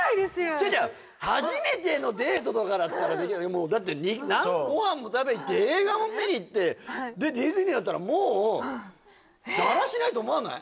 違う違う初めてのデートとかだったらできないもうだってご飯も食べに行って映画も見に行ってでディズニーだったらもうだらしないと思わない？